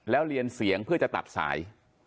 แล้วเรียนเสียงเพื่อจะตัดสาย